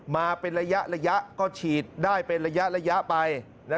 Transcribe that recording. มาเป็นระยะก็ฉีดได้เป็นระยะไป